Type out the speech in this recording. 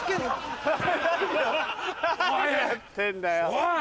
おい！